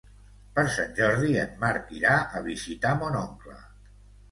Per Sant Jordi en Marc irà a visitar mon oncle.